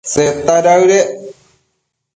Seta daëdec